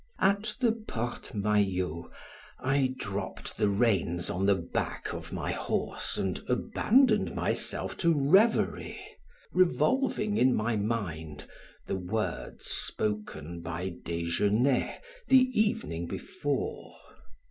At the Porte Maillot I dropped the reins on the back of my horse and abandoned myself to reverie, revolving in my mind the words spoken by Desgenais the evening before.